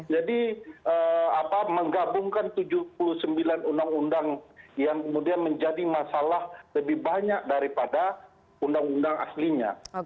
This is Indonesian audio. jadi menggabungkan tujuh puluh sembilan undang undang yang kemudian menjadi masalah lebih banyak daripada undang undang aslinya